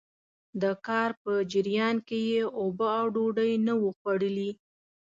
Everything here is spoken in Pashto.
د کار په جريان کې يې اوبه او ډوډۍ نه وو خوړلي.